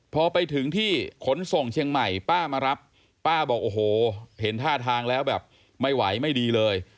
พอไปถึงที่ขนส่งเชียงใหม่ป้ามารับป้าบอกโอ้โหเห็นท่าทางแล้วแบบไม่ไหวไม่ดีเลย